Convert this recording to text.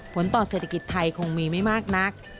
ผลต่อเศรษฐกิจไทยคงมีไม่มากนัก